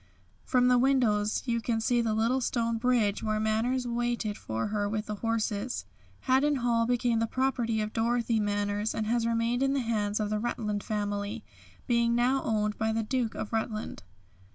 From the windows you can see the little stone bridge where Manners waited for her with the horses. Haddon Hall became the property of Dorothy Manners and has remained in the hands of the Rutland family, being now owned by the Duke of Rutland.